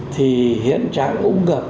thì hiện trạng úng gập